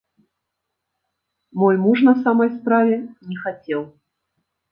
Мой муж, на самай справе, не хацеў.